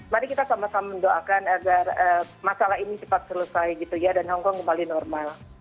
mari kita sama sama mendoakan agar masalah ini cepat selesai gitu ya dan hongkong kembali normal